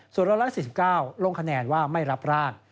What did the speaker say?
ส่วน๑๔๙ลงคะแนนว่าไม่รับร่าง